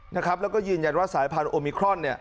แล้วก็ยืนยันว่าสายพันธุมิครอน